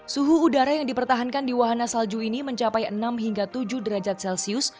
suhu udara yang dipertahankan di wahana salju ini mencapai enam hingga tujuh derajat celcius